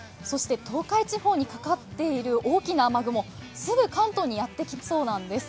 東海地方にかかっている大きな雨雲、すぐ関東にやってきそうなんです。